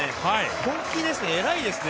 本気ですね。